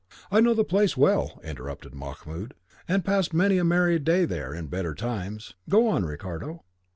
"I know the place well," interrupted Mahmoud, "and passed many a merry day there in better times. Go on, Ricardo."